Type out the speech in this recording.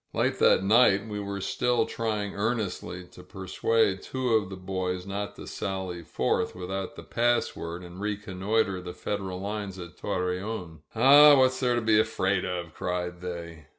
Late that night we were still trying earnestly to persuade two of the boys not to sally forth without the pass word and reconnoiter the Federal lines at Torreon. "Aw, what's there to be afraid of?" cried they.